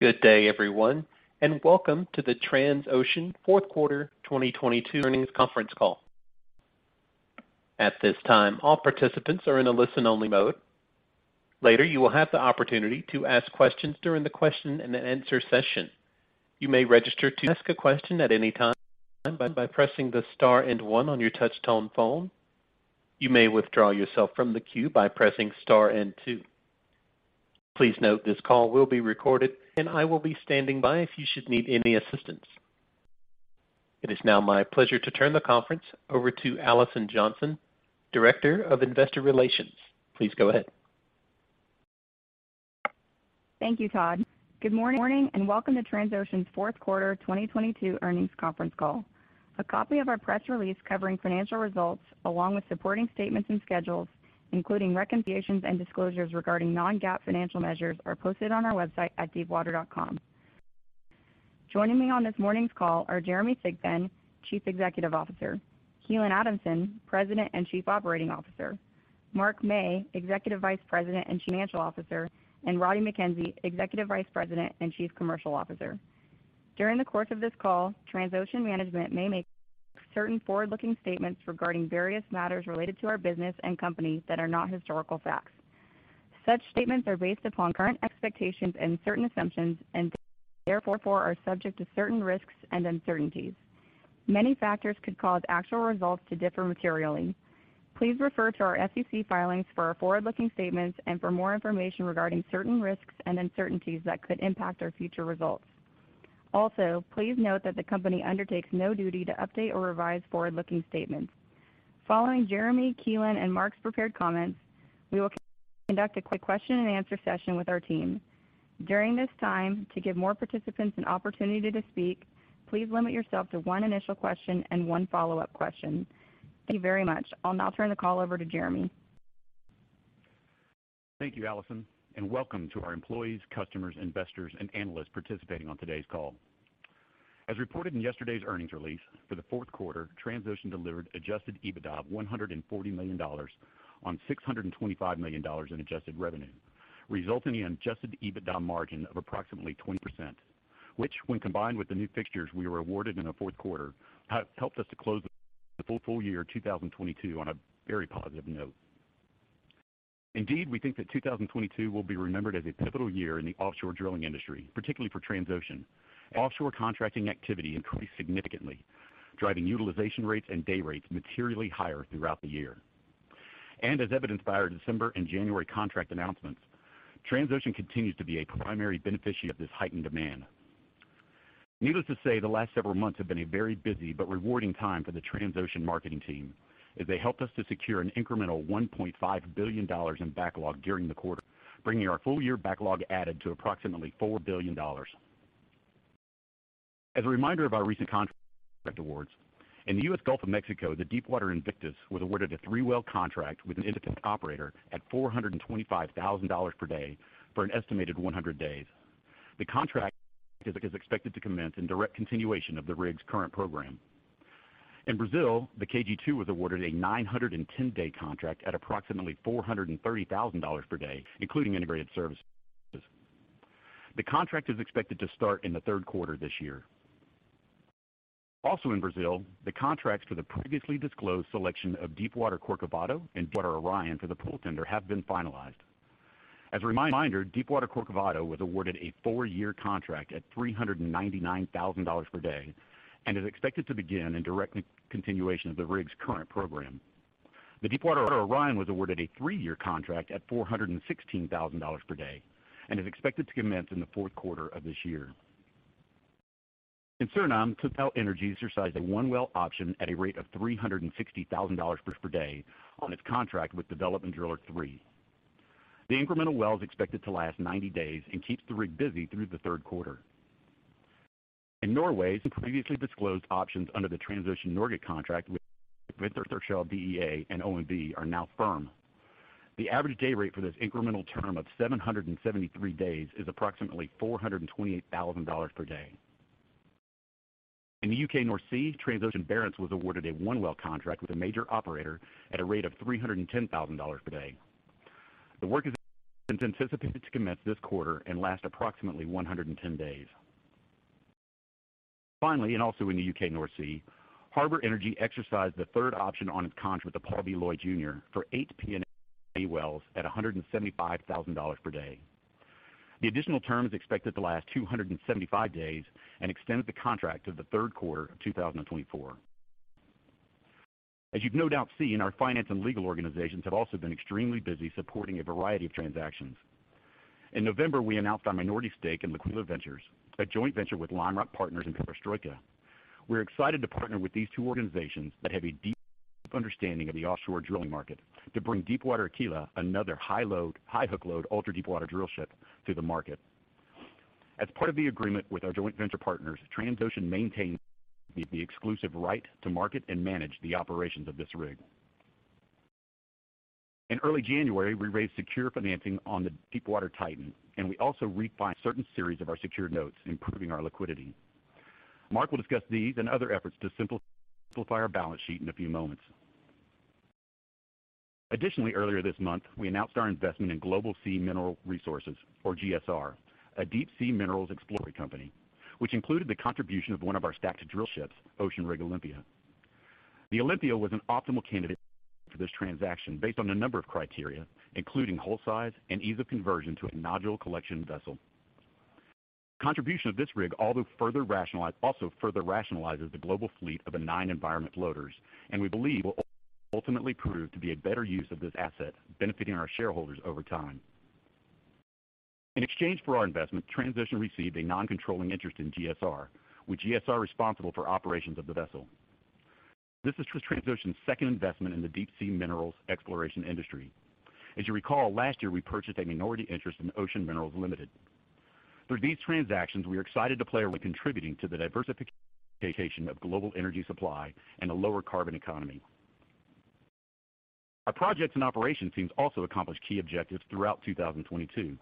Good day, everyone, and welcome to the Transocean Fourth Quarter 2022 earnings conference call. At this time, all participants are in a listen-only mode. Later, you will have the opportunity to ask questions during the question-and-answer session. You may register to ask a question at any time by pressing the star and one on your touchtone phone. You may withdraw yourself from the queue by pressing star and two. Please note this call will be recorded and I will be standing by if you should need any assistance. It is now my pleasure to turn the conference over to Alison Johnson, Director of Investor Relations. Please go ahead. Thank you, Todd. Good morning and welcome to Transocean's fourth quarter 2022 earnings conference call. A copy of our press release covering financial results along with supporting statements and schedules, including reconciliations and disclosures regarding non-GAAP financial measures, are posted on our website at deepwater.com. Joining me on this morning's call are Jeremy Thigpen, Chief Executive Officer, Keelan Adamson, President and Chief Operating Officer, Mark Mey, Executive Vice President and Chief Financial Officer, and Roddie Mackenzie, Executive Vice President and Chief Commercial Officer. During the course of this call, Transocean Management may make certain forward-looking statements regarding various matters related to our business and company that are not historical facts. Such statements are based upon current expectations and certain assumptions and therefore are subject to certain risks and uncertainties. Many factors could cause actual results to differ materially. Please refer to our SEC filings for our forward-looking statements and for more information regarding certain risks and uncertainties that could impact our future results. Also, please note that the company undertakes no duty to update or revise forward-looking statements. Following Jeremy, Keelan, and Mark's prepared comments, we will conduct a quick question-and-answer session with our team. During this time, to give more participants an opportunity to speak, please limit yourself to one initial question and one follow-up question. Thank you very much. I'll now turn the call over to Jeremy. Thank you, Alison, and welcome to our employees, customers, investors, and analysts participating on today's call. As reported in yesterday's earnings release, for the fourth quarter, Transocean delivered adjusted EBITDA of $140 million on $625 million in adjusted revenue, resulting in adjusted EBITDA margin of approximately 20%, which, when combined with the new fixtures we were awarded in the fourth quarter, helped us to close the full year 2022 on a very positive note. Indeed, we think that 2022 will be remembered as a pivotal year in the offshore drilling industry, particularly for Transocean. Offshore contracting activity increased significantly, driving utilization rates and day rates materially higher throughout the year. As evidenced by our December and January contract announcements, Transocean continues to be a primary beneficiary of this heightened demand. Needless to say, the last several months have been a very busy but rewarding time for the Transocean marketing team as they helped us to secure an incremental $1.5 billion in backlog during the quarter, bringing our full-year backlog added to approximately $4 billion. As a reminder of our recent contract awards, in the U.S. Gulf of Mexico, the Deepwater Invictus was awarded a three-well contract with an independent operator at $425,000 per day for an estimated 100 days. The contract is expected to commence in direct continuation of the rig's current program. In Brazil, the KG2 was awarded a 910-day contract at approximately $430,000 per day, including integrated services. The contract is expected to start in the third quarter this year. In Brazil, the contracts for the previously disclosed selection of Deepwater Corcovado and Deepwater Orion for the pool tender have been finalized. As a reminder, Deepwater Corcovado was awarded a four-year contract at $399,000 per day and is expected to begin in direct continuation of the rig's current program. The Deepwater Orion was awarded a three-year contract at $416,000 per day and is expected to commence in the fourth quarter of this year. In Suriname, TotalEnergies exercised a one-well option at a rate of $360,000 per day on its contract with Development Driller III. The incremental well is expected to last 90 days and keeps the rig busy through the third quarter. In Norway, some previously disclosed options under the Transocean Norge contract with Wintershall Dea and OMV are now firm. The average day rate for this incremental term of 773 days is approximately $428,000 per day. In the U.K. North Sea, Transocean Barents was awarded a one-well contract with a major operator at a rate of $310,000 per day. The work is anticipated to commence this quarter and last approximately 110 days. Finally, in the U.K. North Sea, Harbour Energy exercised the third option on its contract with the Paul B. Loyd, Jr. for eight P&A wells at $175,000 per day. The additional term is expected to last 275 days and extends the contract to the third quarter of 2024. As you've no doubt seen, our finance and legal organizations have also been extremely busy supporting a variety of transactions. In November, we announced our minority stake in Liquila Ventures, a joint venture with Lime Rock Partners and Perestroika. We're excited to partner with these two organizations that have a deep understanding of the offshore drilling market to bring Deepwater Aquila another high load, high hook load ultra-deepwater drill ship to the market. As part of the agreement with our joint venture partners, Transocean maintains the exclusive right to market and manage the operations of this rig. In early January, we raised secure financing on the Deepwater Titan, and we also refiled certain series of our secured notes, improving our liquidity. Mark will discuss these and other efforts to simplify our balance sheet in a few moments. Earlier this month, we announced our investment in Global Sea Mineral Resources, or GSR, a deep-sea minerals exploratory company, which included the contribution of one of our stacked drillships, Ocean Rig Olympia. The Olympia was an optimal candidate for this transaction based on a number of criteria, including hull size and ease of conversion to a nodule collection vessel. The contribution of this rig also further rationalizes the global fleet of the benign environment floaters, and we believe will ultimately prove to be a better use of this asset, benefiting our shareholders over time. In exchange for our investment, Transocean received a non-controlling interest in GSR, with GSR responsible for operations of the vessel. This is Transocean's second investment in the deep-sea minerals exploration industry. As you recall, last year we purchased a minority interest in Ocean Minerals Limited. Through these transactions, we are excited to play a role in contributing to the diversification of global energy supply and a lower carbon economy. Our projects and operations teams also accomplished key objectives throughout 2022.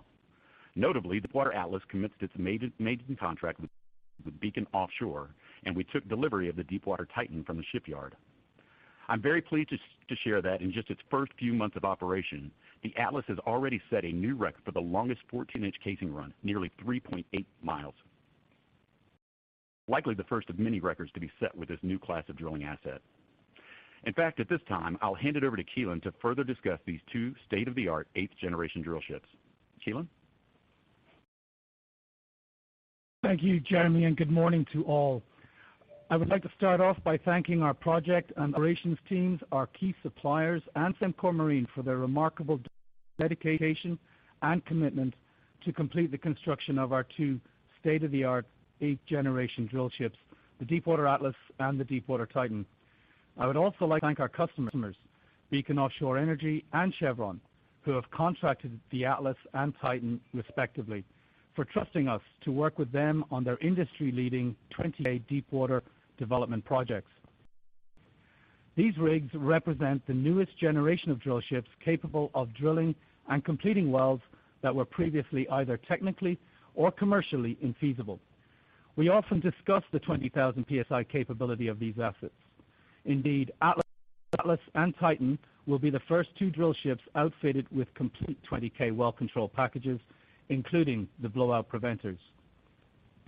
Notably, the Deepwater Atlas commenced its maintenance contract with Beacon Offshore, and we took delivery of the Deepwater Titan from the shipyard. I'm very pleased to share that in just its first few months of operation, the Atlas has already set a new record for the longest 14-inch casing run, nearly 3.8 miles. Likely the first of many records to be set with this new class of drilling asset. At this time, I'll hand it over to Keelan to further discuss these two state-of-the-art eighth-generation drillships. Keelan? Thank you, Jeremy, and good morning to all. I would like to start off by thanking our project and operations teams, our key suppliers and Sembcorp Marine for their remarkable dedication and commitment to complete the construction of our two state-of-the-art eighth-generation drillships, the Deepwater Atlas and the Deepwater Titan. I would also like to thank our customers, Beacon Offshore Energy and Chevron, who have contracted the Atlas and Titan respectively for trusting us to work with them on their industry-leading 28 deepwater development projects. These rigs represent the newest generation of drillships capable of drilling and completing wells that were previously either technically or commercially infeasible. We often discuss the 20,000 psi capability of these assets. Indeed, Atlas and Titan will be the first two drillships outfitted with complete 20K well control packages, including the blowout preventers.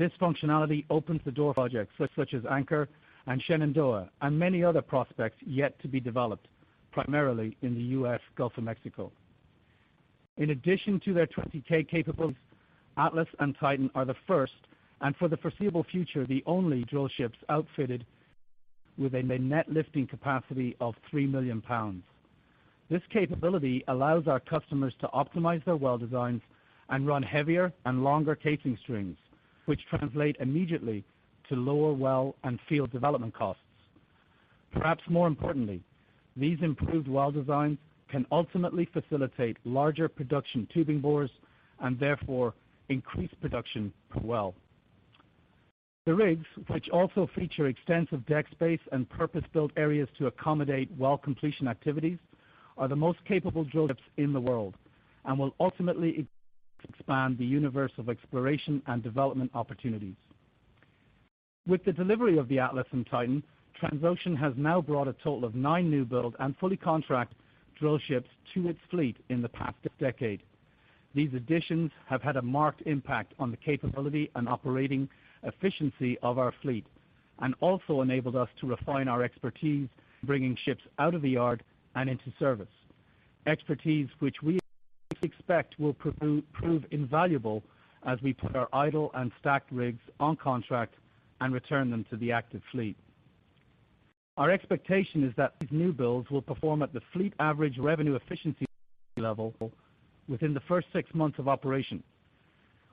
This functionality opens the door projects such as Anchor and Shenandoah and many other prospects yet to be developed, primarily in the U.S. Gulf of Mexico. In addition to their 20K capabilities, Atlas and Titan are the first and for the foreseeable future, the only drill ships outfitted with a net lifting capacity of 3 million pounds. This capability allows our customers to optimize their well designs and run heavier and longer casing strings, which translate immediately to lower well and field development costs. Perhaps more importantly, these improved well designs can ultimately facilitate larger production tubing bores and therefore increase production per well. The rigs, which also feature extensive deck space and purpose-built areas to accommodate well completion activities, are the most capable drill ships in the world and will ultimately expand the universe of exploration and development opportunities. With the delivery of the Atlas and Titan, Transocean has now brought a total of nine new build and fully contracted drillships to its fleet in the past decade. These additions have had a marked impact on the capability and operating efficiency of our fleet and also enabled us to refine our expertise, bringing ships out of the yard and into service. Expertise which we expect will prove invaluable as we put our idle and stacked rigs on contract and return them to the active fleet. Our expectation is that these new builds will perform at the fleet average revenue efficiency level within the first six months of operation,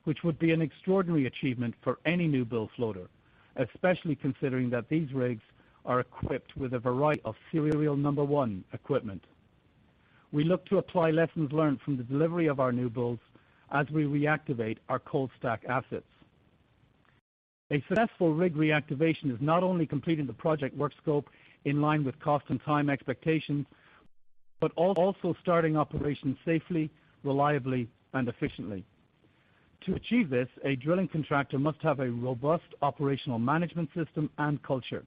which would be an extraordinary achievement for any new build floater, especially considering that these rigs are equipped with a variety of serial number one equipment. We look to apply lessons learned from the delivery of our new builds as we reactivate our cold stack assets. A successful rig reactivation is not only completing the project work scope in line with cost and time expectations, but also starting operations safely, reliably, and efficiently. To achieve this, a drilling contractor must have a robust operational management system and culture.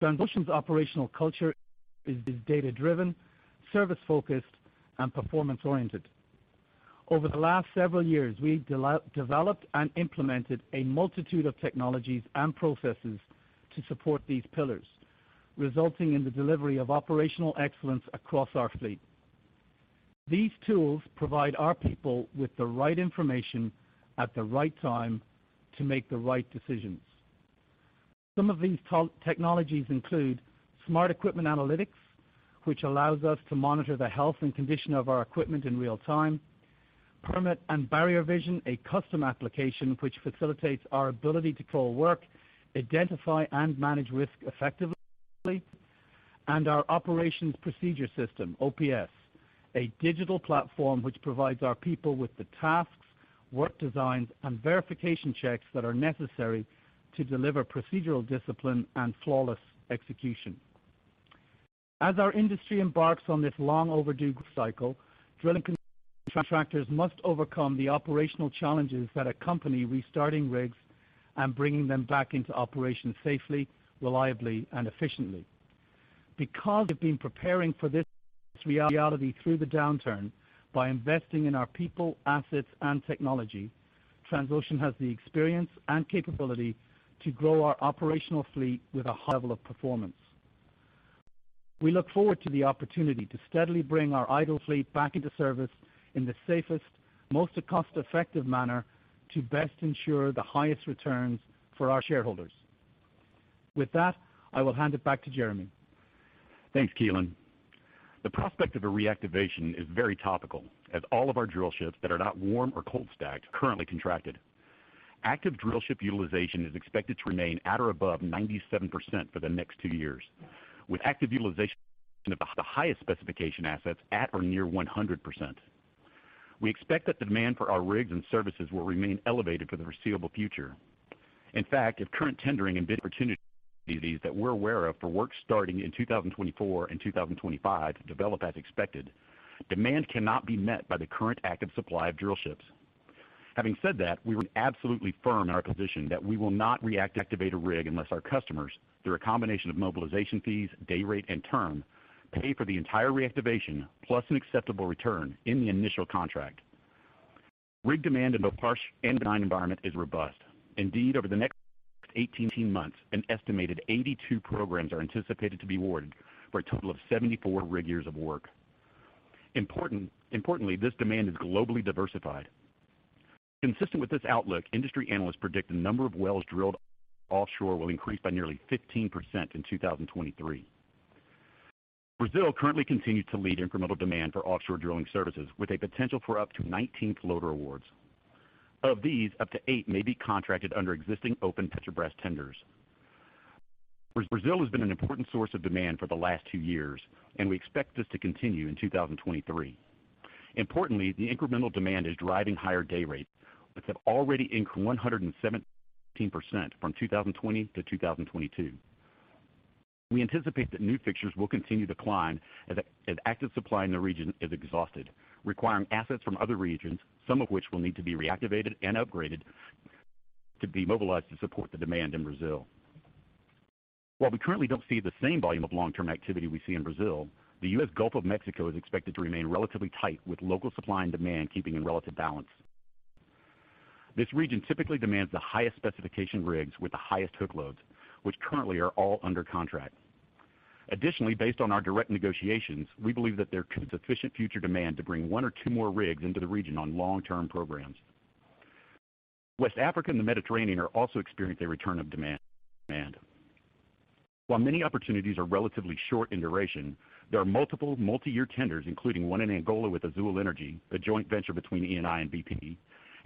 Transocean's operational culture is data-driven, service-focused, and performance-oriented. Over the last several years, we've developed and implemented a multitude of technologies and processes to support these pillars, resulting in the delivery of operational excellence across our fleet. These tools provide our people with the right information at the right time to make the right decisions. Some of these technologies include Smart Equipment Analytics, which allows us to monitor the health and condition of our equipment in real time. Permit Vision and Barrier Vision, a custom application which facilitates our ability to call work, identify and manage risk effectively. Our Operations Procedure System, OPS, a digital platform which provides our people with the tasks, work designs, and verification checks that are necessary to deliver procedural discipline and flawless execution. As our industry embarks on this long-overdue growth cycle, drilling contractors must overcome the operational challenges that accompany restarting rigs. Bringing them back into operation safely, reliably, and efficiently. We've been preparing for this reality through the downturn by investing in our people, assets, and technology, Transocean has the experience and capability to grow our operational fleet with a high level of performance. We look forward to the opportunity to steadily bring our idle fleet back into service in the safest, most cost-effective manner to best ensure the highest returns for our shareholders. With that, I will hand it back to Jeremy. Thanks, Keelan. The prospect of a reactivation is very topical as all of our drill ships that are not warm or cold stacked currently contracted. Active drill ship utilization is expected to remain at or above 97% for the next two years, with active utilization of the highest specification assets at or near 100%. We expect that the demand for our rigs and services will remain elevated for the foreseeable future. In fact, if current tendering and bidding opportunities that we're aware of for work starting in 2024 and 2025 develop as expected, demand cannot be met by the current active supply of drill ships. Having said that, we were absolutely firm in our position that we will not reactivate a rig unless our customers, through a combination of mobilization fees, day rate, and term, pay for the entire reactivation plus an acceptable return in the initial contract. Rig demand in both harsh and benign environment is robust. Indeed, over the next 18 months, an estimated 82 programs are anticipated to be awarded for a total of 74 rig years of work. Importantly, this demand is globally diversified. Consistent with this outlook, industry analysts predict the number of wells drilled offshore will increase by nearly 15% in 2023. Brazil currently continues to lead incremental demand for offshore drilling services with a potential for up to 19 floater awards. Of these, up to 8 may be contracted under existing open Petrobras tenders. Brazil has been an important source of demand for the last two years. We expect this to continue in 2023. Importantly, the incremental demand is driving higher day rates, which have already increased 117% from 2020 to 2022. We anticipate that new fixtures will continue to climb as active supply in the region is exhausted, requiring assets from other regions, some of which will need to be reactivated and upgraded to be mobilized to support the demand in Brazil. While we currently don't see the same volume of long-term activity we see in Brazil, the U.S. Gulf of Mexico is expected to remain relatively tight with local supply and demand keeping in relative balance. This region typically demands the highest specification rigs with the highest hook loads, which currently are all under contract. Additionally, based on our direct negotiations, we believe that there is sufficient future demand to bring one or two more rigs into the region on long-term programs. West Africa and the Mediterranean are also experiencing a return of demand. While many opportunities are relatively short in duration, there are multiple multi-year tenders, including one in Angola with Azule Energy, a joint venture between Eni and BP,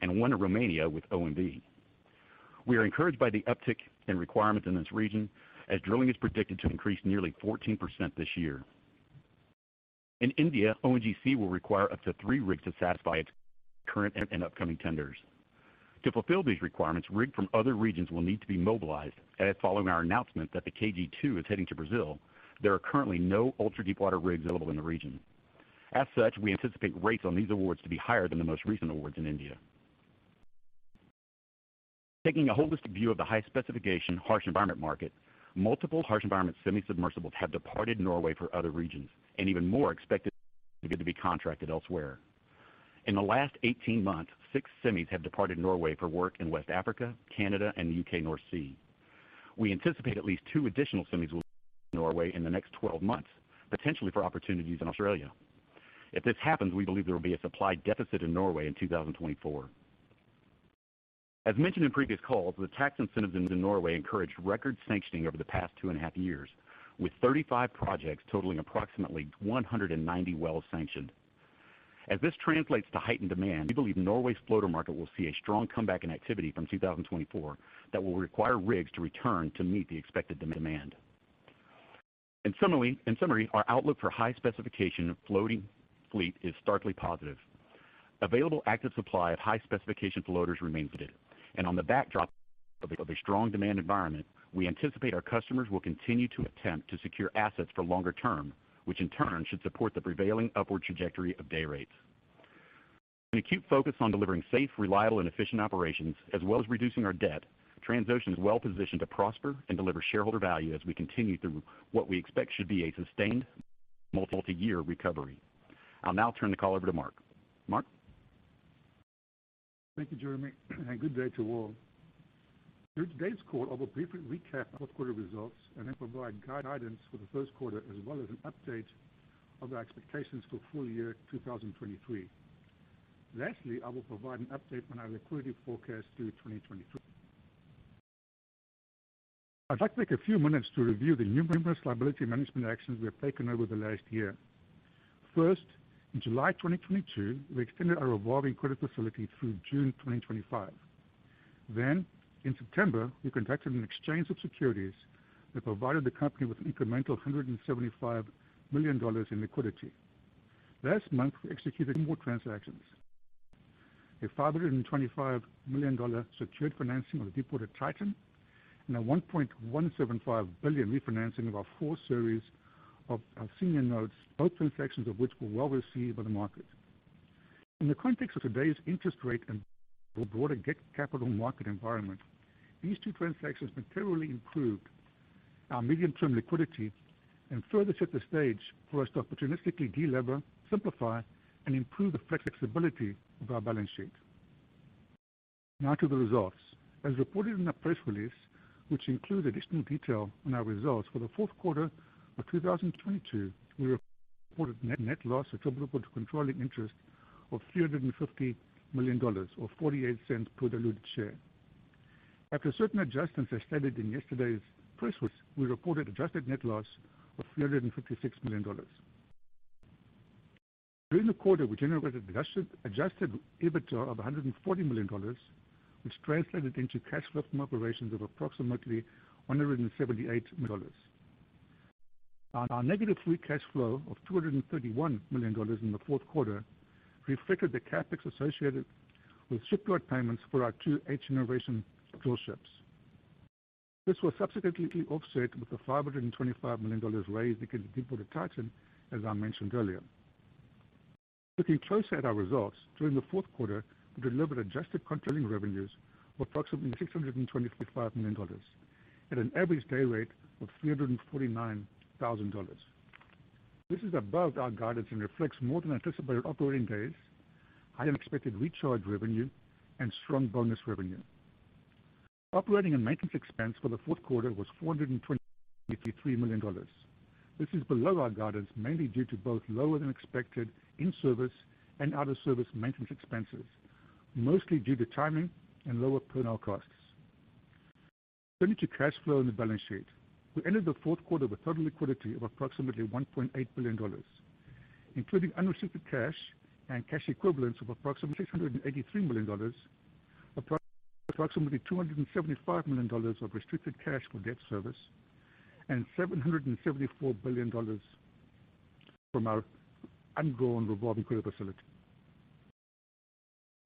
and one in Romania with OMV. We are encouraged by the uptick in requirements in this region as drilling is predicted to increase nearly 14% this year. In India, ONGC will require up to 3 rigs to satisfy its current and upcoming tenders. To fulfill these requirements, rigs from other regions will need to be mobilized, as following our announcement that the KG2 is heading to Brazil, there are currently no ultra-deepwater rigs available in the region. As such, we anticipate rates on these awards to be higher than the most recent awards in India. Taking a holistic view of the high-specification harsh environment market, multiple harsh environment semi-submersibles have departed Norway for other regions and even more expected to be contracted elsewhere. In the last 18 months, six semis have departed Norway for work in West Africa, Canada, and U.K. North Sea. We anticipate at least two additional semis will leave Norway in the next 12 months, potentially for opportunities in Australia. If this happens, we believe there will be a supply deficit in Norway in 2024. As mentioned in previous calls, the tax incentives in Norway encouraged record sanctioning over the past two and half years, with 35 projects totaling approximately 190 wells sanctioned. As this translates to heightened demand, we believe Norway's floater market will see a strong comeback in activity from 2024 that will require rigs to return to meet the expected demand. In summary, our outlook for high-specification floating fleet is starkly positive. Available active supply of high-specification floaters remains limited. On the backdrop of a strong demand environment, we anticipate our customers will continue to attempt to secure assets for longer term, which in turn should support the prevailing upward trajectory of day rates. An acute focus on delivering safe, reliable, and efficient operations as well as reducing our debt, Transocean is well-positioned to prosper and deliver shareholder value as we continue through what we expect should be a sustained multi-year recovery. I'll now turn the call over to Mark. Mark? Thank you, Jeremy. Good day to all. Through today's call, I will briefly recap fourth quarter results and then provide guidance for the first quarter as well as an update of our expectations for full year 2023. Lastly, I will provide an update on our liquidity forecast through 2023. I'd like to take a few minutes to review the numerous liability management actions we have taken over the last year. First, in July 2022, we extended our revolving credit facility through June 2025. In September, we conducted an exchange of securities that provided the company with an incremental $175 million in liquidity. Last month, we executed more transactions. A $525 million secured financing of the Deepwater Titan and a $1.175 billion refinancing of our fourth series of our senior notes, both transactions of which were well received by the market. In the context of today's interest rate and broader capital market environment, these two transactions materially improved our medium-term liquidity and further set the stage for us to opportunistically de-lever, simplify, and improve the flexibility of our balance sheet. Now to the results. As reported in our press release, which includes additional detail on our results for the fourth quarter of 2022, we reported net loss attributable to controlling interest of $350 million or $0.48 per diluted share. After certain adjustments, as stated in yesterday's press release, we reported adjusted net loss of $356 million. During the quarter, we generated adjusted EBITDA of $140 million, which translated into cash flow from operations of approximately $178 million. Our negative free cash flow of $231 million in the fourth quarter reflected the CapEx associated with shipyard payments for our two eighth-generation drillships. This was subsequently offset with the $525 million raised in Deepwater Titan, as I mentioned earlier. Looking closer at our results, during the fourth quarter, we delivered adjusted controlling revenues of approximately $625 million at an average day rate of $349,000. This is above our guidance and reflects more than anticipated operating days, higher than expected recharge revenue, and strong bonus revenue. Operating and maintenance expense for the fourth quarter was $423 million. This is below our guidance, mainly due to both lower than expected in-service and out-of-service maintenance expenses, mostly due to timing and lower personnel costs. Turning to cash flow and the balance sheet. We ended the fourth quarter with total liquidity of approximately $1.8 billion, including unrestricted cash and cash equivalents of approximately $683 million, approximately $275 million of restricted cash for debt service and $774 billion from our undrawn revolving credit facility.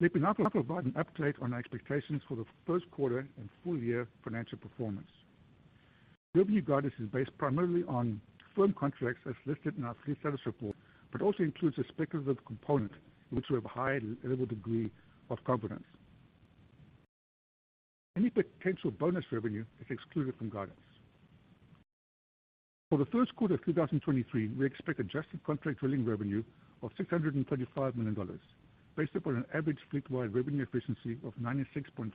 Let me now provide an update on our expectations for the first quarter and full year financial performance. Revenue guidance is based primarily on firm contracts as listed in our fleet status report, but also includes a speculative component in which we have a high level degree of confidence. Any potential bonus revenue is excluded from guidance. For the first quarter of 2023, we expect adjusted contract drilling revenue of $635 million, based upon an average fleet-wide revenue efficiency of 96.5%.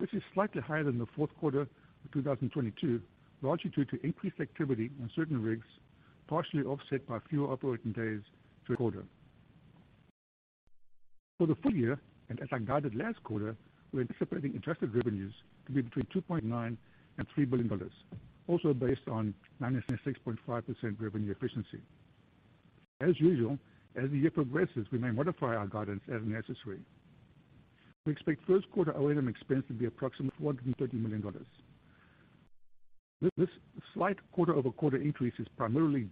This is slightly higher than the fourth quarter of 2022, largely due to increased activity on certain rigs, partially offset by fewer operating days this quarter. For the full year, and as I guided last quarter, we're anticipating adjusted revenues to be between $2.9 billion and $3 billion, also based on 96.5% revenue efficiency. As usual, as the year progresses, we may modify our guidance as necessary. We expect first quarter O&M expense to be approximately $430 million. This slight quarter-over-quarter increase is primarily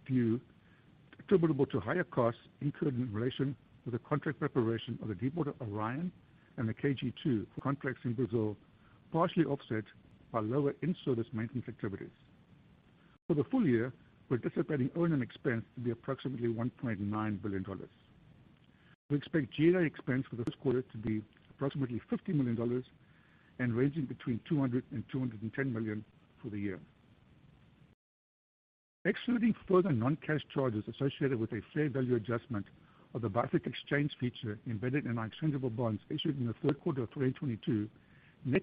attributable to higher costs incurred in relation to the contract preparation of the Deepwater Orion and the KG2 for contracts in Brazil, partially offset by lower in-service maintenance activities. For the full year, we're anticipating O&M expense to be approximately $1.9 billion. We expect GA expense for the first quarter to be approximately $50 million and ranging between $200 million-$210 million for the year. Excluding further non-cash charges associated with a fair value adjustment of the bifurcated exchange feature embedded in our exchangeable bonds issued in the third quarter of 2022, net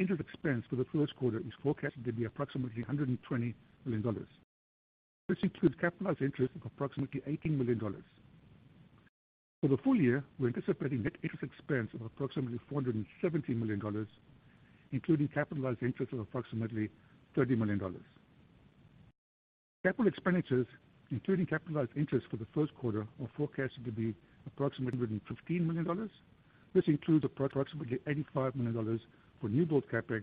interest expense for the first quarter is forecasted to be approximately $120 million. This includes capitalized interest of approximately $18 million. For the full year, we're anticipating net interest expense of approximately $470 million, including capitalized interest of approximately $30 million. Capital expenditures, including capitalized interest for the first quarter, are forecasted to be approximately $115 million. This includes approximately $85 million for newbuild CapEx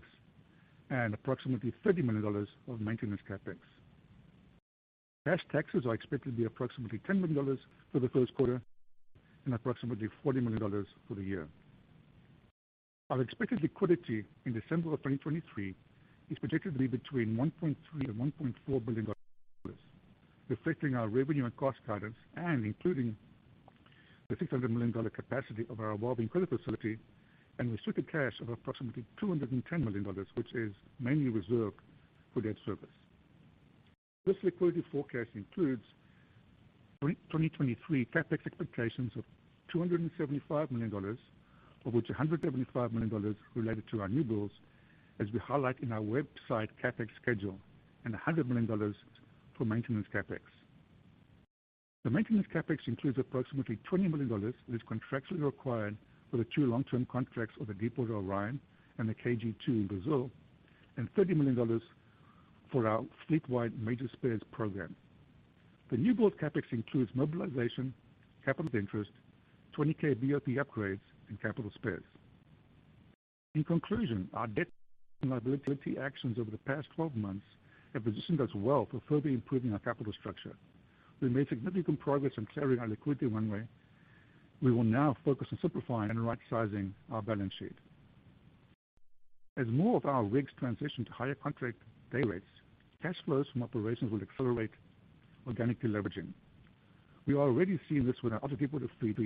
and approximately $30 million of maintenance CapEx. Cash taxes are expected to be approximately $10 million for the first quarter and approximately $40 million for the year. Our expected liquidity in December of 2023 is projected to be between $1.3 billion and $1.4 billion, reflecting our revenue and cost guidance and including the $600 million capacity of our revolving credit facility and restricted cash of approximately $210 million, which is mainly reserved for debt service. This liquidity forecast includes 2023 CapEx expectations of $275 million, of which $175 million related to our new builds, as we highlight in our website CapEx schedule, and $100 million for maintenance CapEx. The maintenance CapEx includes approximately $20 million that is contractually required for the two long-term contracts of the Deepwater Orion and the KG2 in Brazil, and $30 million for our fleet-wide major spares program. The newbuild CapEx includes mobilization, capitalized interest, 20K BOP upgrades, and capital spares. In conclusion, our debt and liability actions over the past 12 months have positioned us well for further improving our capital structure. We made significant progress in clearing our liquidity runway. We will now focus on simplifying and right-sizing our balance sheet. As more of our rigs transition to higher contract day rates, cash flows from operations will accelerate organically leveraging. We are already seeing this with our other people to fleet,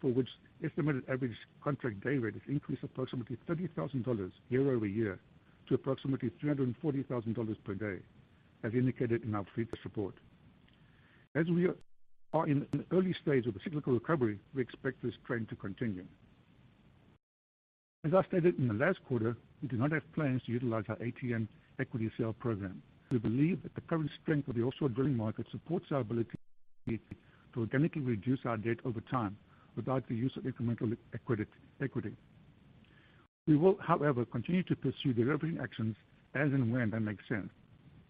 for which estimated average contract day rate is increased approximately $30,000 year-over-year to approximately $340,000 per day as indicated in our fleet support. As we are in an early stage of a cyclical recovery, we expect this trend to continue. As I stated in the last quarter, we do not have plans to utilize our ATM equity sale program. We believe that the current strength of the offshore drilling market supports our ability to organically reduce our debt over time without the use of incremental equity. We will, however, continue to pursue delivering actions as and when that makes sense.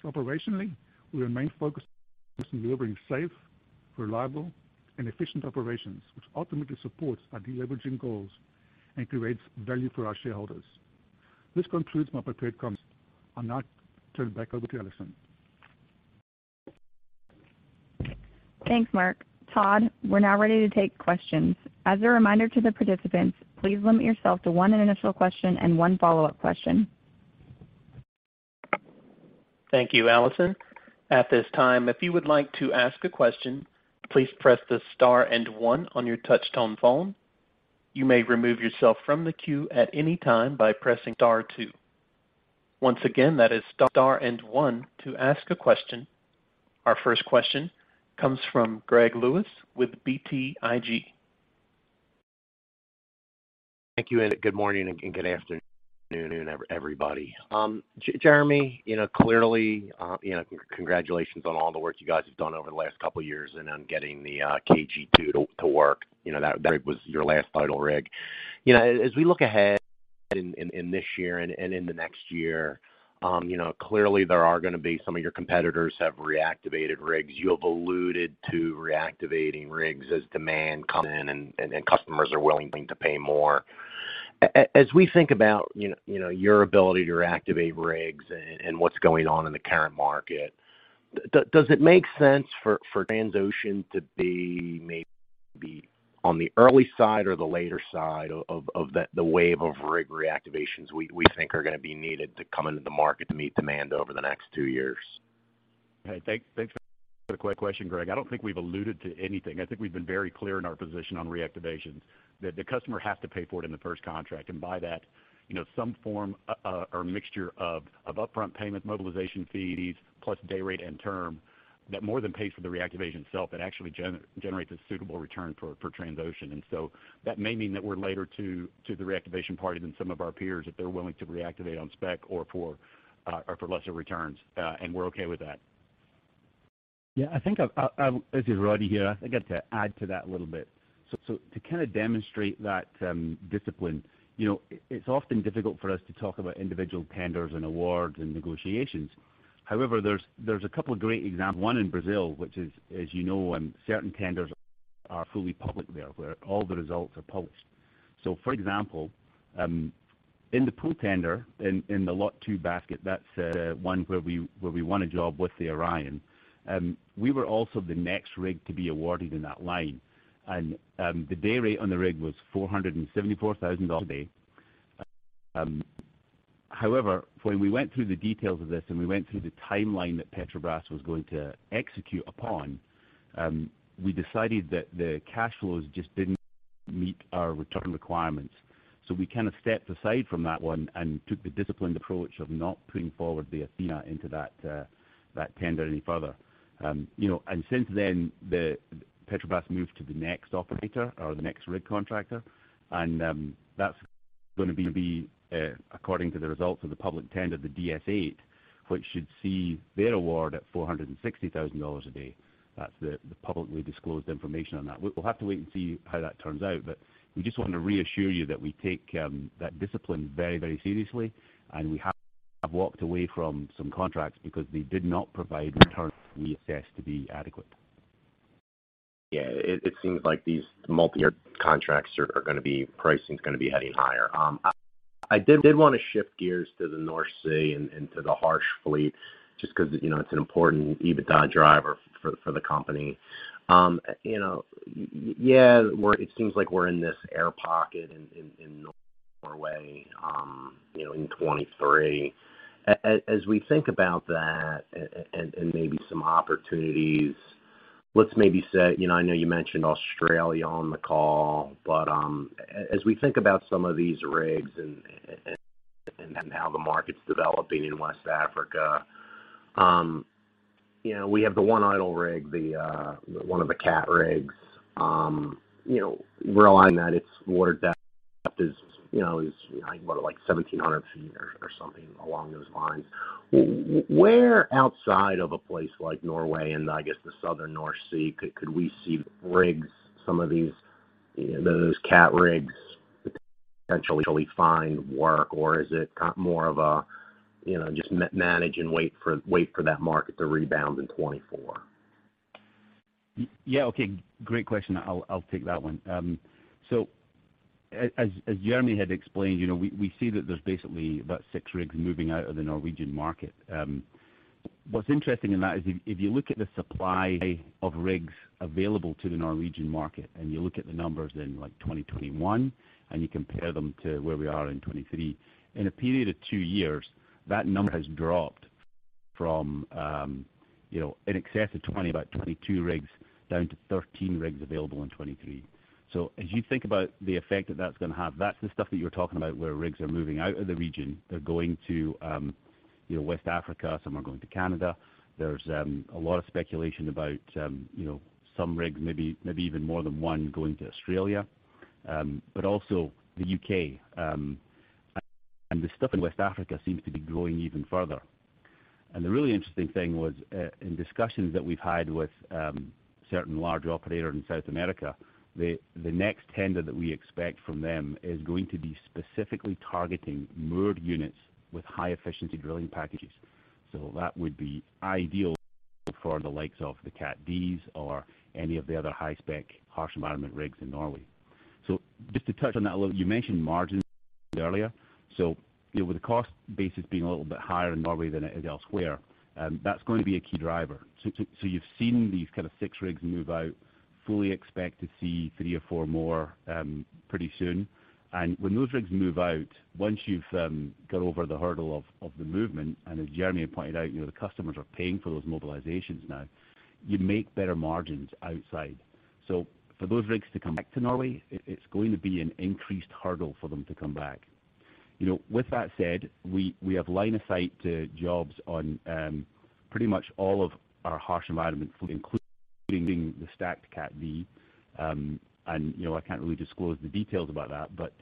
Operationally, we remain focused on delivering safe, reliable, and efficient operations, which ultimately supports our deleveraging goals and creates value for our shareholders. This concludes my prepared comments. I'll now turn it back over to Alison. Thanks, Mark. Todd, we're now ready to take questions. As a reminder to the participants, please limit yourself to one initial question and one follow-up question. Thank you, Alison. At this time, if you would like to ask a question, please press the star and one on your touchtone phone. You may remove yourself from the queue at any time by pressing star two. Once again, that is star and one to ask a question. Our first question comes from Greg Lewis with BTIG. Thank you. Good morning and good afternoon, everybody. Jeremy, you know, clearly, you know, congratulations on all the work you guys have done over the last couple of years and on getting the KG2 to work. You know, that was your last idle rig. You know, as we look ahead in this year and in the next year, you know, clearly there are gonna be some of your competitors have reactivated rigs. You have alluded to reactivating rigs as demand come in and customers are willing to pay more. As we think about, you know, your ability to activate rigs and what's going on in the current market, does it make sense for Transocean to be maybe on the early side or the later side of the wave of rig reactivations we think are gonna be needed to come into the market to meet demand over the next two years? Hey, thanks for the quick question, Greg. I don't think we've alluded to anything. I think we've been very clear in our position on reactivations, that the customer has to pay for it in the first contract. By that, you know, some form or mixture of upfront payment, mobilization fees, plus day rate and term that more than pays for the reactivation itself. It actually generates a suitable return for Transocean. So that may mean that we're later to the reactivation party than some of our peers, if they're willing to reactivate on spec or for lesser returns. We're okay with that. Yeah, I think This is Roddie here. I think I have to add to that a little bit. To kinda demonstrate that discipline, you know, it's often difficult for us to talk about individual tenders and awards and negotiations. However, there's a couple of great examples. One in Brazil, which is, as you know, certain tenders are fully public there, where all the results are published. For example, in the pool tender in the lot two basket, that's one where we won a job with the Deepwater Orion. We were also the next rig to be awarded in that line. The day rate on the rig was $474,000 a day. However, when we went through the details of this and we went through the timeline that Petrobras was going to execute upon, we decided that the cash flows just didn't meet our return requirements. We kinda stepped aside from that one and took the disciplined approach of not putting forward the Athena into that tender any further. You know, since then, the Petrobras moved to the next operator or the next rig contractor, and that's gonna be, according to the results of the public tender, the DS-8, which should see their award at $460,000 a day. That's the publicly disclosed information on that. We'll have to wait and see how that turns out. We just want to reassure you that we take that discipline very, very seriously, and we have walked away from some contracts because they did not provide returns we assess to be adequate. Yeah, it seems like these multiyear contracts are gonna be, pricing's gonna be heading higher. I did wanna shift gears to the North Sea and to the harsh fleet just because, you know, it's an important EBITDA driver for the company. You know, it seems like we're in this air pocket in Norway, you know, in 2023. As we think about that and maybe some opportunities, let's maybe say, you know, I know you mentioned Australia on the call, but as we think about some of these rigs and how the market's developing in West Africa, you know, we have the one idle rig, the one of the CAT rigs. You know, relying that its water depth is, you know, is, you know, what, like 1,700 ft or something along those lines, where outside of a place like Norway and I guess the southern North Sea could we see rigs, some of these, you know, those Cat D rigs potentially find work? Or is it more of a, you know, just manage and wait for that market to rebound in 2024? Yeah. Okay, great question. I'll take that one. As Jeremy had explained, you know, we see that there's basically about six rigs moving out of the Norwegian market. What's interesting in that is if you look at the supply of rigs available to the Norwegian market and you look at the numbers in like 2021 and you compare them to where we are in 2023, in a period of two years, that number has dropped from, you know, in excess of 20, about 22 rigs down to 13 rigs available in 2023. As you think about the effect that that's gonna have, that's the stuff that you're talking about where rigs are moving out of the region. They're going to, you know, West Africa, some are going to Canada. There's a lot of speculation about, you know, some rigs maybe even more than one going to Australia, but also the U.K.. The stuff in West Africa seems to be growing even further. The really interesting thing was, in discussions that we've had with certain large operators in South America, the next tender that we expect from them is going to be specifically targeting moored units with high efficiency drilling packages. That would be ideal for the likes of the Cat D or any of the other high spec harsh environment rigs in Norway. Just to touch on that a little, you mentioned margins earlier. You know, with the cost base as being a little bit higher in Norway than it is elsewhere, that's going to be a key driver. So you've seen these kinda 6 rigs move out, fully expect to see three or four more pretty soon. When those rigs move out, once you've got over the hurdle of the movement, and as Jeremy pointed out, you know, the customers are paying for those mobilizations now, you make better margins outside. For those rigs to come back to Norway, it's going to be an increased hurdle for them to come back. You know, with that said, we have line of sight to jobs on pretty much all of our harsh environment fleet, including the stacked Cat D. You know, I can't really disclose the details about that, but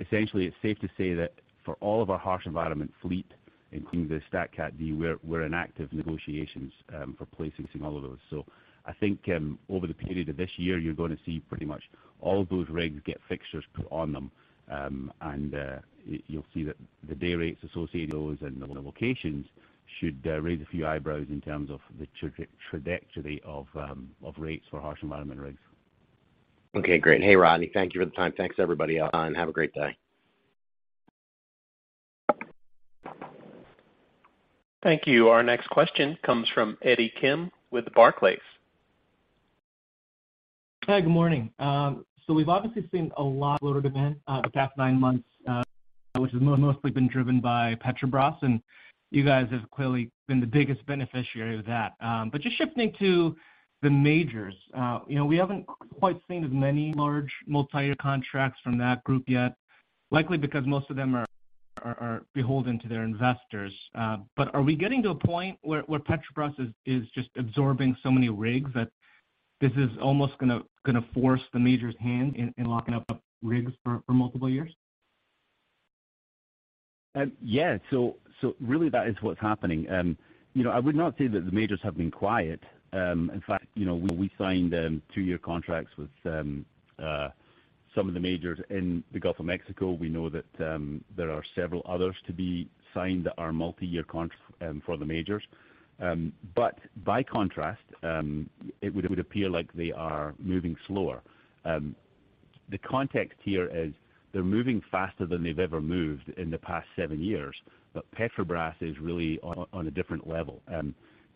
essentially, it's safe to say that for all of our harsh environment fleet, including the Stacked Cat D, we're in active negotiations for placing some all of those. I think, over the period of this year, you're gonna see pretty much all of those rigs get fixtures put on them, and you'll see that the day rates associated with those and the locations should raise a few eyebrows in terms of the trajectory of rates for harsh environment rigs. Okay, great. Hey, Roddie, thank you for the time. Thanks everybody. Have a great day. Thank you. Our next question comes from Eddie Kim with Barclays. Hi, good morning. We've obviously seen a lot of loaded events, the past nine months, which has mostly been driven by Petrobras. You guys have clearly been the biggest beneficiary of that. Just shifting to the majors, you know, we haven't quite seen as many large multiyear contracts from that group yet, likely because most of them are beholden to their investors. Are we getting to a point where Petrobras is just absorbing so many rigs that this is almost gonna force the majors hand in locking up rigs for multiple years? Yeah. Really that is what's happening. You know, I would not say that the majors have been quiet. In fact, you know, we signed two-year contracts with some of the majors in the Gulf of Mexico. We know that there are several others to be signed that are multi-year for the majors. By contrast, it would appear like they are moving slower. The context here is they're moving faster than they've ever moved in the past seven years, but Petrobras is really on a different level.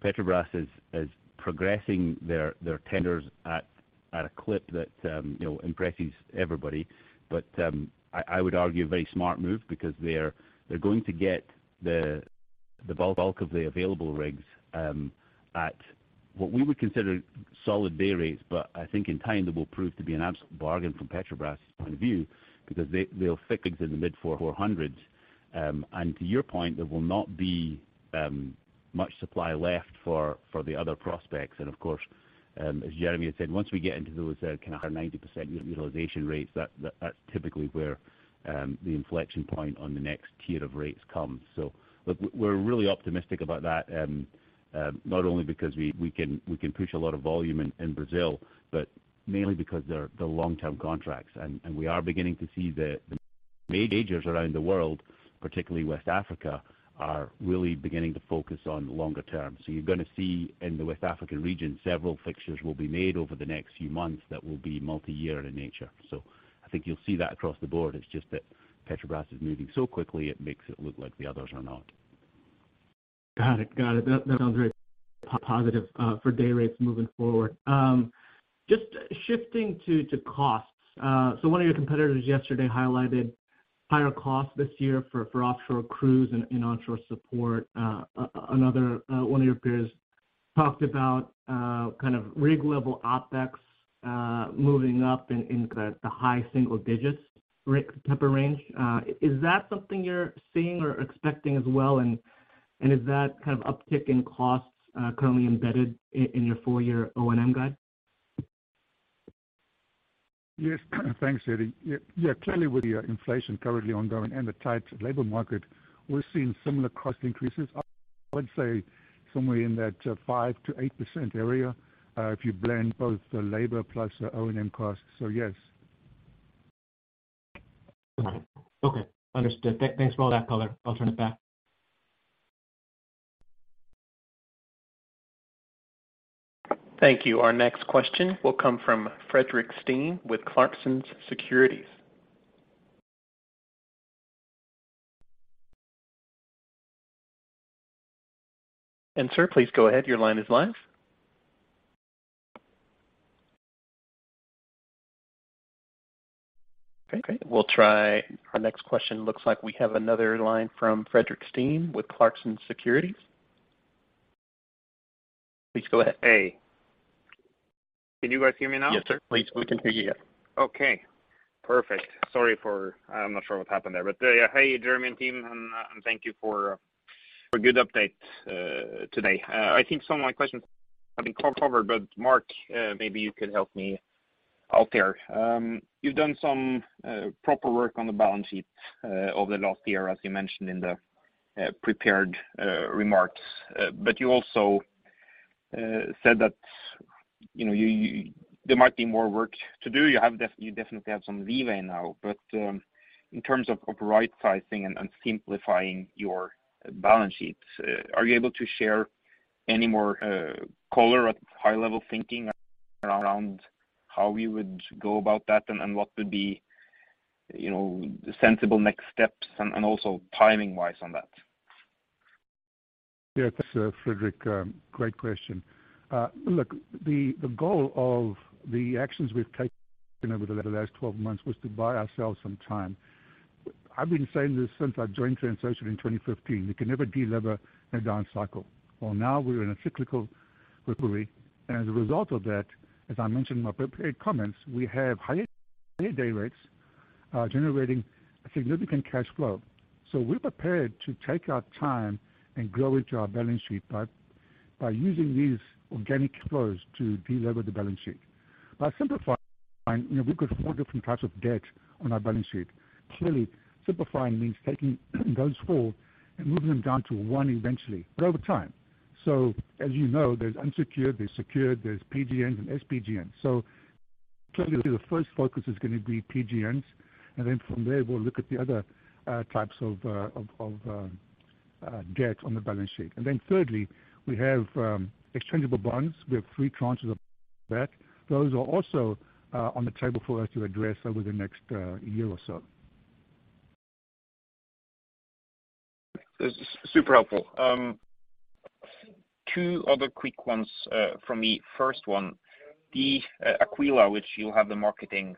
Petrobras is progressing their tenders at a clip that, you know, impresses everybody. I would argue a very smart move because they're going to get the bulk of the available rigs, at what we would consider solid day rates, but I think in time they will prove to be an absolute bargain from Petrobras' point of view because they'll fix in the mid-$400s. To your point, there will not be much supply left for the other prospects. As Jeremy has said, once we get into those, kind of our 90% utilization rates, that's typically where the inflection point on the next tier of rates comes. We're really optimistic about that, not only because we can push a lot of volume in Brazil, but mainly because they're long-term contracts. We are beginning to see the majors around the world, particularly West Africa, are really beginning to focus on longer term. You're gonna see in the West African region, several fixtures will be made over the next few months that will be multi-year in nature. I think you'll see that across the board. It's just that Petrobras is moving so quickly, it makes it look like the others are not. Got it. That sounds very positive for day rates moving forward. Just shifting to costs. One of your competitors yesterday highlighted higher costs this year for offshore crews and onshore support. Another one of your peers talked about kind of rig level OpEx moving up in the high single digits rig type of range. Is that something you're seeing or expecting as well? Is that kind of uptick in costs currently embedded in your full year O&M guide? Yes. Thanks, Eddie. Yeah, clearly, with the inflation currently ongoing and the tight labor market, we're seeing similar cost increases. I would say somewhere in that 5%-8% area, if you blend both the labor plus the O&M costs. Yes. Okay. Understood. Thanks for all that color. I'll turn it back. Thank you. Our next question will come from Fredrik Stene with Clarksons Securities. Sir, please go ahead. Your line is live. Okay, we'll try our next question. Looks like we have another line from Fredrik Stene with Clarksons Securities. Please go ahead. Hey. Can you guys hear me now? Yes, sir. Please. We can hear you. Okay, perfect. I'm not sure what happened there, but hi Jeremy and team, and thank you for good update today. I think some of my questions have been covered, but Mark, maybe you could help me out there. You've done some proper work on the balance sheet over the last year, as you mentioned in the prepared remarks. You also said that, you know, there might be more work to do. You definitely have some leeway now. In terms of right-sizing and simplifying your balance sheets, are you able to share any more color at high level thinking around how we would go about that and what would be, you know, the sensible next steps and also timing wise on that? Yeah. Thanks, Fredrik. Great question. Look, the goal of the actions we've taken over the last 12 months was to buy ourselves some time. I've been saying this since I joined Transocean in 2015. You can never de-lever a down cycle. Now we're in a cyclical recovery, and as a result of that, as I mentioned in my prepared comments, we have higher day rates, generating significant cash flow. We're prepared to take our time and grow into our balance sheet by using these organic flows to de-lever the balance sheet. By simplifying, you know, we've got four different types of debt on our balance sheet. Clearly, simplifying means taking those four and moving them down to one eventually, but over time. As you know, there's unsecured, there's secured, there's PGNs and SPGNs. Clearly the first focus is gonna be PGNs. From there, we'll look at the other types of debt on the balance sheet. Thirdly, we have exchangeable bonds. We have three tranches of that. Those are also on the table for us to address over the next year or so. This is super helpful. Two other quick ones from me. First one, the Aquila, which you have the marketing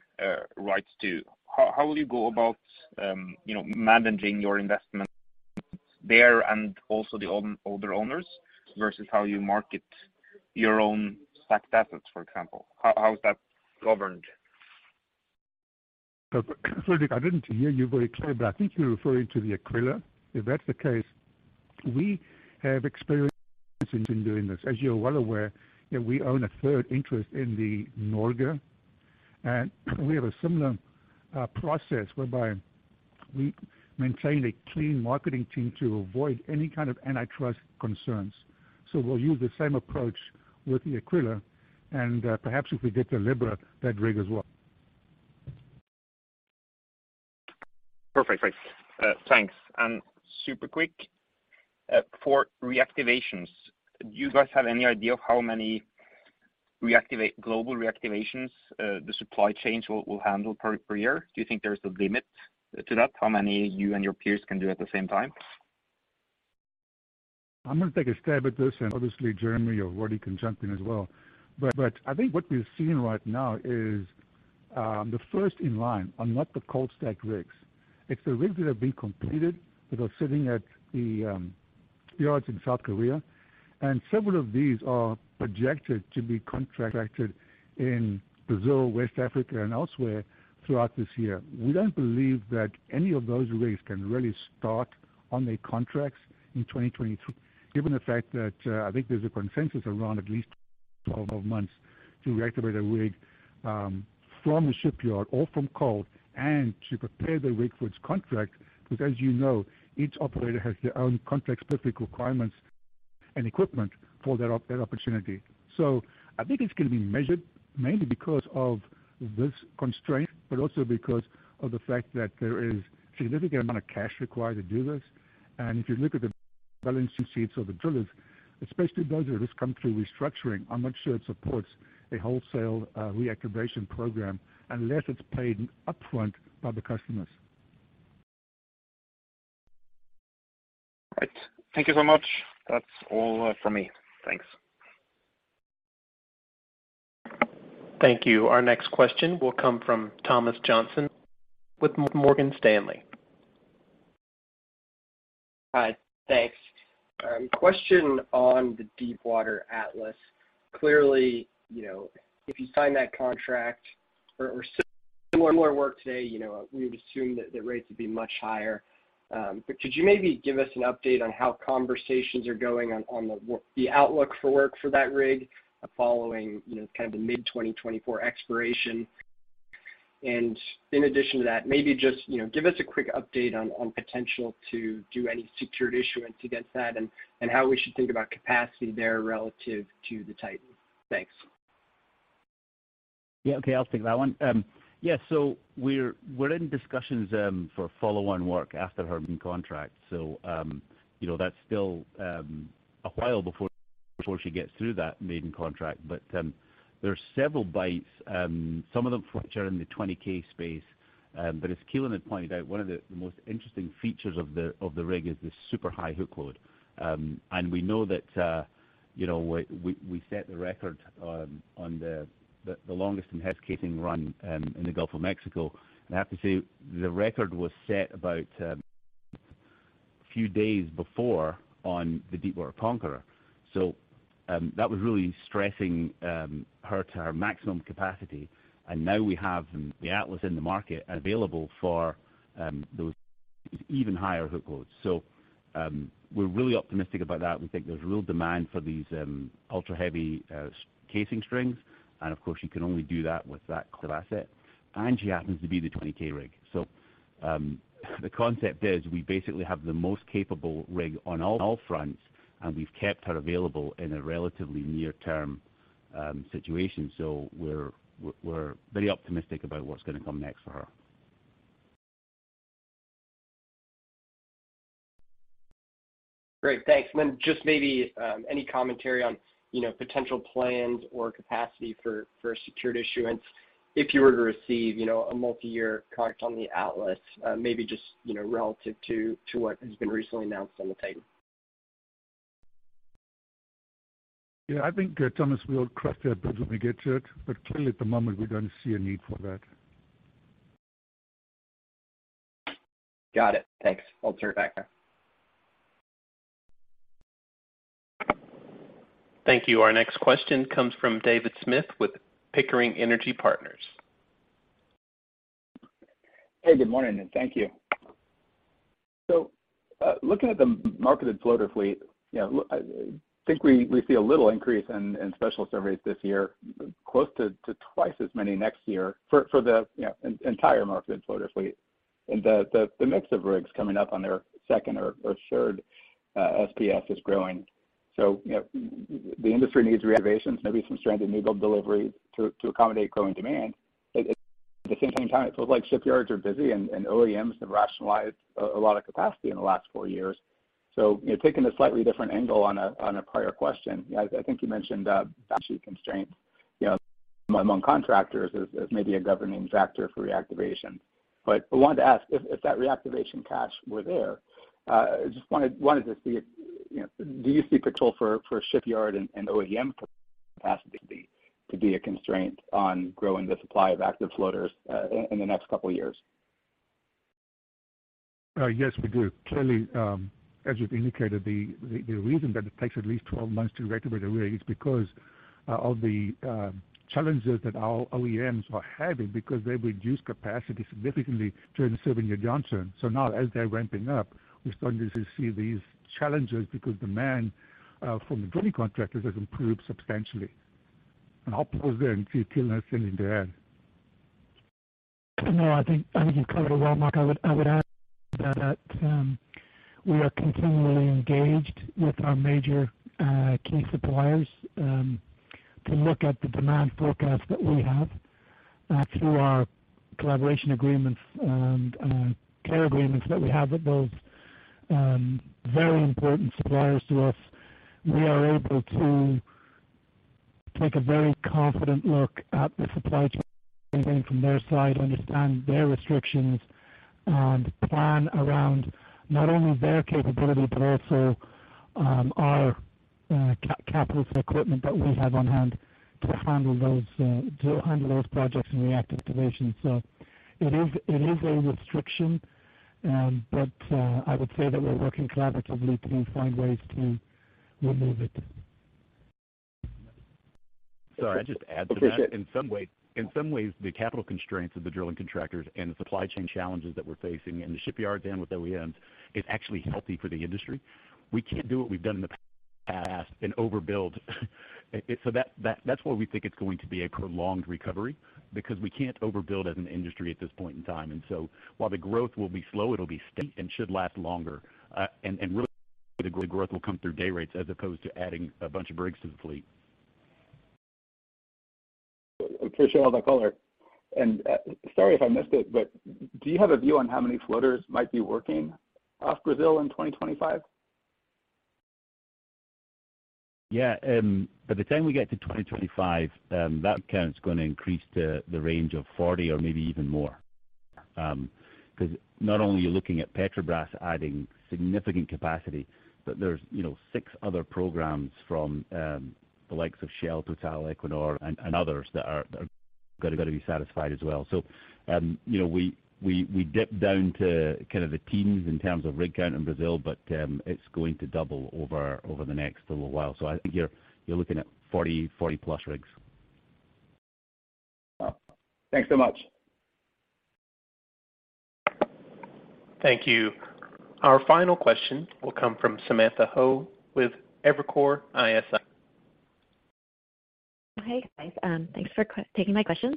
rights to. How will you go about, you know, managing your investment there and also the other owners versus how you market your own stacked assets, for example? How is that governed? Fredrik, I didn't hear you very clear, but I think you're referring to the Aquila. If that's the case, we have experience in doing this. As you're well aware, we own a third interest in the Norge, and we have a similar process whereby we maintain a clean marketing team to avoid any kind of antitrust concerns. We'll use the same approach with the Aquila and perhaps if we get the Libra, that rig as well. Perfect. Thanks. Thanks. Super quick. For reactivations, do you guys have any idea of how many global reactivations, the supply chains will handle per year? Do you think there's a limit to that, how many you and your peers can do at the same time? I'm gonna take a stab at this, and obviously Jeremy or Roddie can jump in as well. I think what we're seeing right now is the first in line are not the cold stacked rigs. It's the rigs that have been completed that are sitting at the yards in South Korea, and several of these are projected to be contracted in Brazil, West Africa, and elsewhere throughout this year. We don't believe that any of those rigs can really start on their contracts in 2022, given the fact that I think there's a consensus around at least 12 months to reactivate a rig from a shipyard or from cold and to prepare the rig for its contract, because as you know, each operator has their own contracts, specific requirements, and equipment for that opportunity. I think it's gonna be measured mainly because of this constraint, but also because of the fact that there is significant amount of cash required to do this. If you look at the balance sheets of the drillers, especially those that have just come through restructuring, I'm not sure it supports a wholesale reactivation program unless it's paid upfront by the customers. Right. Thank you so much. That's all from me. Thanks. Thank you. Our next question will come from Thomas Johnson with Morgan Stanley. Hi. Thanks. Question on the Deepwater Atlas. Clearly, you know, if you sign that contract or more work today, you know, we would assume that rates would be much higher. But could you maybe give us an update on how conversations are going on the outlook for work for that rig following, you know, kind of the mid-2024 expiration? In addition to that, maybe just, you know, give us a quick update on potential to do any secured issuance against that and how we should think about capacity there relative to the Titan. Thanks. Yeah. Okay, I'll take that one. Yes, we're in discussions for follow-on work after her main contract. You know, that's still a while before she gets through that maiden contract. There are several bites, some of them which are in the 20K space. As Keelan had pointed out, one of the most interesting features of the rig is the super high hook load. We know that, you know, we set the record on the longest and heaviest casing run in the Gulf of Mexico. I have to say, the record was set about few days before on the Deepwater Conqueror. That was really stressing her to her maximum capacity. Now we have the Atlas in the market available for those even higher hook loads. We're really optimistic about that. We think there's real demand for these ultra heavy casing strings. Of course, you can only do that with that class of asset. She happens to be the 20K rig. The concept is we basically have the most capable rig on all fronts, and we've kept her available in a relatively near-term situation. We're very optimistic about what's gonna come next for her. Great. Thanks. Then just maybe, any commentary on, you know, potential plans or capacity for a secured issuance if you were to receive, you know, a multiyear contract on the Atlas, maybe just, you know, relative to what has been recently announced on the Titan. I think Thomas will craft our build when we get to it, but clearly, at the moment, we don't see a need for that. Got it. Thanks. I'll turn it back now. Thank you. Our next question comes from David Smith with Pickering Energy Partners. Hey, good morning, and thank you. Looking at the marketed floater fleet, you know, I think we see a little increase in special surveys this year, close to twice as many next year for the, you know, entire marketed floater fleet. The mix of rigs coming up on their second or third SPS is growing. You know, the industry needs reservations, maybe some stranded newbuild delivery to accommodate growing demand. At the same time, it feels like shipyards are busy and OEMs have rationalized a lot of capacity in the last four years. You know, taking a slightly different angle on a prior question, I think you mentioned balance sheet constraints, you know, among contractors as maybe a governing factor for reactivation. I wanted to ask if that reactivation cash were there, I just wanted to see, you know, do you see potential for shipyard and OEM capacity to be a constraint on growing the supply of active floaters in the next couple of years? Yes, we do. Clearly, as you've indicated, the reason that it takes at least 12 months to reactivate a rig is because of the challenges that our OEMs are having because they've reduced capacity significantly during the seven-year downturn. Now as they're ramping up, we're starting to see these challenges because demand from the drilling contractors has improved substantially. I'll pause there and see if Keelan has anything to add. No, I think you've covered it well, Mark. I would add that we are continually engaged with our major key suppliers, to look at the demand forecast that we have through our collaboration agreements and care agreements that we have with those very important suppliers to us. We are able to take a very confident look at the supply chain from their side, understand their restrictions, and plan around not only their capability, but also our capital equipment that we have on-hand to handle those projects and reactivate them. It is a restriction, I would say that we're working collaboratively to find ways to remove it. Sorry, I'd just add to that. Please do. In some ways, the capital constraints of the drilling contractors and the supply chain challenges that we're facing in the shipyard then with OEMs is actually healthy for the industry. We can't do what we've done in the past and overbuild. That's why we think it's going to be a prolonged recovery because we can't overbuild as an industry at this point in time. While the growth will be slow, it'll be steady and should last longer. Really the growth will come through day rates as opposed to adding a bunch of rigs to the fleet. Appreciate all that color. Sorry if I missed it, but do you have a view on how many floaters might be working off Brazil in 2025? By the time we get to 2025, that count's gonna increase to the range of 40 or maybe even more. 'Cause not only are you looking at Petrobras adding significant capacity, but there's, you know, six other programs from the likes of Shell, Total, Equinor and others that are gonna be satisfied as well. You know, we dip down to kind of the teens in terms of rig count in Brazil, but it's going to double over the next little while. I think you're looking at 40-plus rigs. Thanks so much. Thank you. Our final question will come from Samantha Hoh with Evercore ISI. Hey, guys. thanks for taking my questions.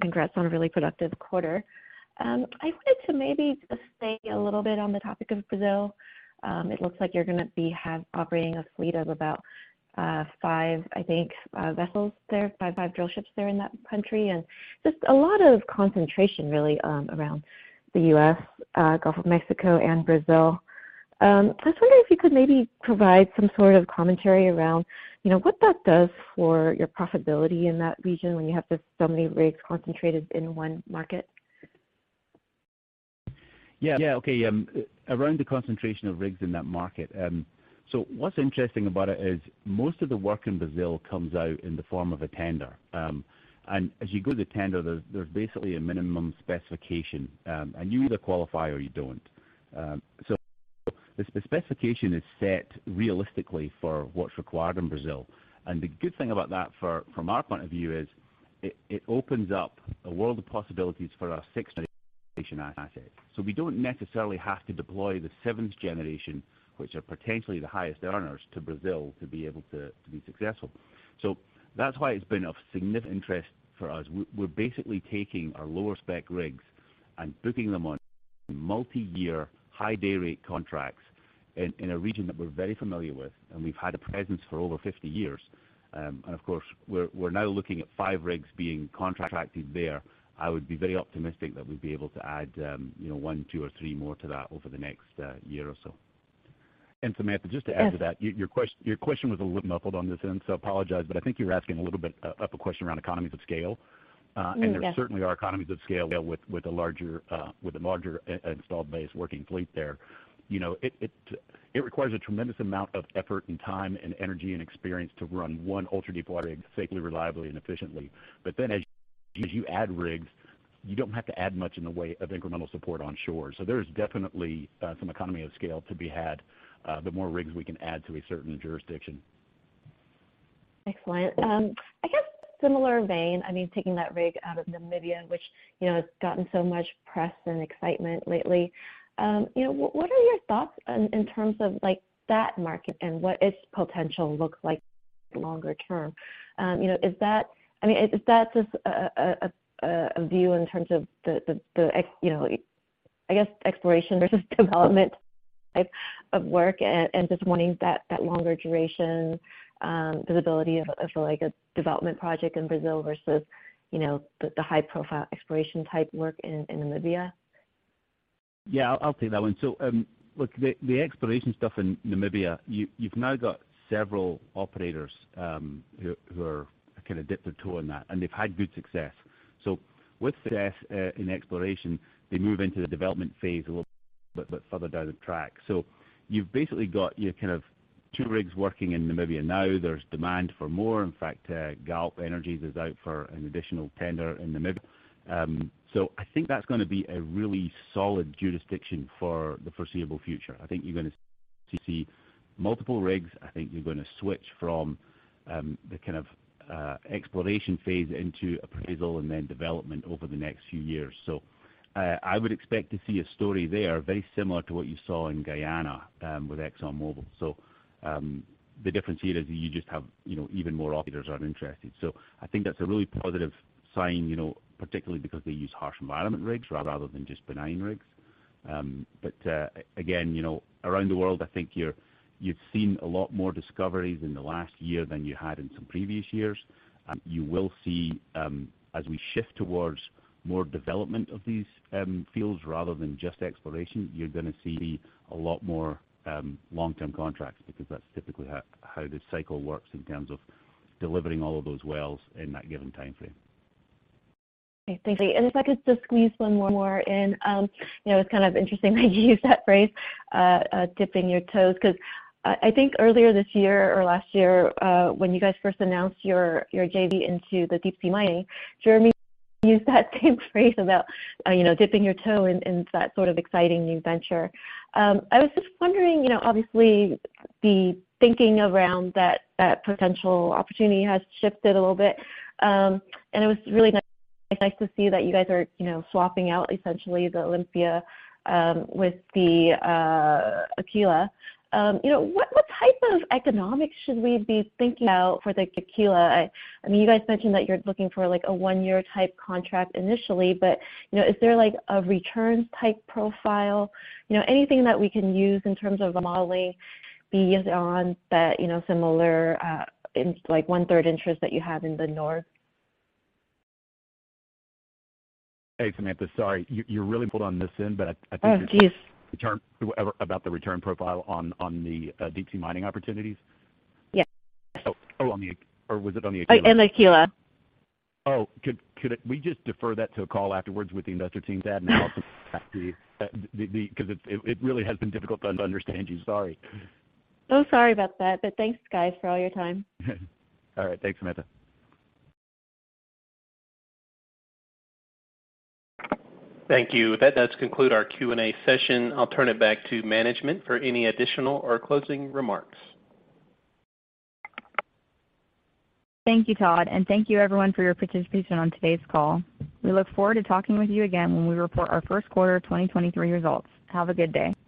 Congrats on a really productive quarter. I wanted to maybe stay a little bit on the topic of Brazil. It looks like you're gonna be operating a fleet of about five, I think, vessels there, five drill ships there in that country. Just a lot of concentration really around the U.S. Gulf of Mexico and Brazil. I was wondering if you could maybe provide some sort of commentary around, you know, what that does for your profitability in that region when you have just so many rigs concentrated in one market. Yeah, okay, around the concentration of rigs in that market. What's interesting about it is most of the work in Brazil comes out in the form of a tender. And as you go to tender, there's basically a minimum specification, and you either qualify or you don't. The specification is set realistically for what's required in Brazil. And the good thing about that from our point of view is it opens up a world of possibilities for our sixth-generation assets. We don't necessarily have to deploy the seventh-generation, which are potentially the highest earners, to Brazil to be able to be successful. That's why it's been of significant interest for us. We're basically taking our lower spec rigs and booking them on multiyear high day rate contracts in a region that we're very familiar with, and we've had a presence for over 50 years. Of course, we're now looking at five rigs being contracted there. I would be very optimistic that we'd be able to add, you know, one, two or three more to that over the next year or so. Samantha, just to add to that. Yes. Your question was a little muffled on this end, so apologize, but I think you were asking a little bit of a question around economies of scale. Yes. There certainly are economies of scale with a larger installed base working fleet there. You know, it requires a tremendous amount of effort and time and energy and experience to run one ultra-deepwater rig safely, reliably and efficiently. As you add rigs, you don't have to add much in the way of incremental support on shore. There's definitely some economy of scale to be had, the more rigs we can add to a certain jurisdiction. Excellent. I guess similar vein, I mean, taking that rig out of Namibia, which you know, has gotten so much press and excitement lately. You know, what are your thoughts in terms of like that market and what its potential looks like longer term? You know, is that, I mean, is that just a view in terms of the, you know, I guess exploration versus development type of work and just wanting that longer duration, visibility of like a development project in Brazil versus, you know, the high profile exploration type work in Namibia? Yeah, I'll take that one. look, the exploration stuff in Namibia, you've now got several operators, who are kinda dipped their toe in that, and they've had good success. With success in exploration, they move into the development phase a little bit further down the track. You've basically got your kind of two rigs working in Namibia now. There's demand for more. In fact, Galp Energia is out for an additional tender in Namibia. I think that's gonna be a really solid jurisdiction for the foreseeable future. I think you're gonna see multiple rigs. I think you're gonna switch from the kind of exploration phase into appraisal and then development over the next few years. I would expect to see a story there very similar to what you saw in Guyana with ExxonMobil. The difference here is you just have, you know, even more operators that are interested. I think that's a really positive sign, you know, particularly because they use harsh environment rigs rather than just benign rigs. Again, you know, around the world, I think you've seen a lot more discoveries in the last year than you had in some previous years. You will see, as we shift towards more development of these fields rather than just exploration, you're gonna see a lot more long-term contracts because that's typically how the cycle works in terms of delivering all of those wells in that given time frame. Okay. Thanks. If I could just squeeze one more in. You know, it's kind of interesting that you use that phrase, dipping your toes, 'cause I think earlier this year or last year, when you guys first announced your JV into the deep-sea mining, Jeremy used that same phrase about, you know, dipping your toe into that sort of exciting new venture. I was just wondering, you know, obviously the thinking around that potential opportunity has shifted a little bit. It was really nice to see that you guys are, you know, swapping out essentially the Olympia with the Aquila. You know, what type of economics should we be thinking about for the Aquila? I mean, you guys mentioned that you're looking for like a one-year type contract initially, but, you know, is there like a return type profile? You know, anything that we can use in terms of the modeling based on that, you know, similar in like 1/3 interest that you have in the Norge? Hey, Samantha. Sorry, you're really muffled on this end. Oh, geez. Return, whatever, about the return profile on the deep-sea mining opportunities? Yes. Oh, oh, on the. Was it on the Aquila? In Aquila. Oh, could we just defer that to a call afterwards with the investor team to add notes after you? The, 'cause it really has been difficult to understand you. Sorry. Sorry about that, but thanks, guys, for all your time. All right. Thanks, Samantha. Thank you. That does conclude our Q&A session. I'll turn it back to management for any additional or closing remarks. Thank you, Todd, and thank you everyone for your participation on today's call. We look forward to talking with you again when we report our first quarter 2023 results. Have a good day.